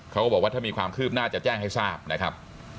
เขาก็บอกว่าถ้ามีความคืบหน้าจะแจ้งให้ทราบนะครับ